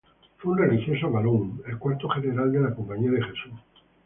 Fue un religioso valón, el cuarto General de la Compañía de Jesús.